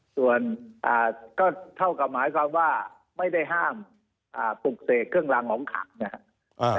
ส่วนก็เท่ากับหมายความว่าไม่ได้ห้ามปลุกเสกเครื่องรางของขังนะครับ